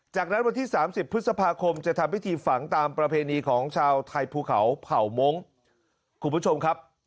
จากนั้นวันที่๓๐พฤษภาคมจะทำวิธีฝังตามประเพณีของชาวไทยภูเขาเผ่าโม้ง